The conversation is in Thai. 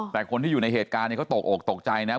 แต่คนที่อยู่ในเหตุการณ์เนี่ยเขาตกอกตกใจนะ